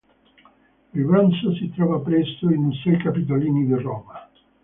Il bronzo si trova presso i Musei Capitolini di Roma.